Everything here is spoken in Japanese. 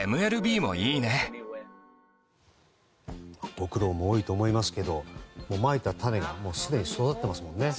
ご苦労も多いと思いますがまいた種がすでに育っていますもんね。